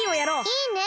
いいね！